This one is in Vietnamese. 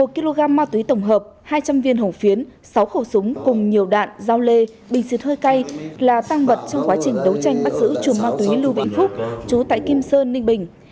một kg ma túy tổng hợp hai trăm linh viên hồng phiến sáu khẩu súng cùng nhiều đạn dao lê bình xịt hơi cay là tăng vật trong quá trình đấu tranh bắt giữ chùm ma túy lưu vĩnh phúc chú tại kim sơn ninh bình